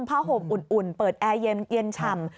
ห่มอุ่นเปิดแอร์เย็นฉ่ำ